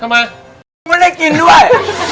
ไม่ได้กินด้วย